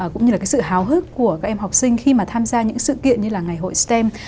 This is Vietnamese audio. cũng như là cái sự hào hức của các em học sinh khi mà tham gia những sự kiện như là ngày hội stem